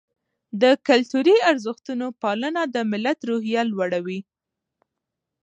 د کلتوري ارزښتونو پالنه د ملت روحیه لوړوي.